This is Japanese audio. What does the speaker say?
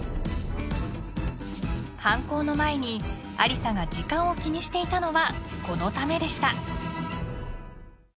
［犯行の前にアリサが時間を気にしていたのはこのためでした］